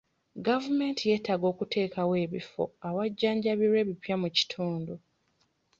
Gavumenti yeetaaga okuteekawo ebifo awajjanjabirwa ebipya mu kitundu.